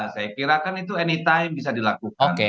saya kira kan itu anytime bisa dilakukan